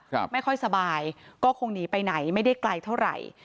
ไม่ค่อยสบายก็คงหนีไปไหนไม่ได้ไกลเท่าไหร่